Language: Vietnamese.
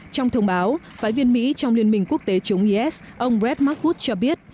trong thông báo phái viên mỹ trong liên minh quốc tế chống is ông brad markwood cho biết